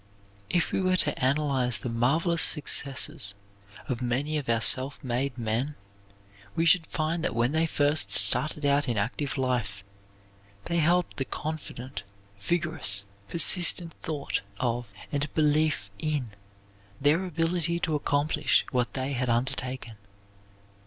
If we were to analyze the marvelous successes of many of our self made men, we should find that when they first started out in active life they held the confident, vigorous, persistent thought of and belief in their ability to accomplish what they had undertaken.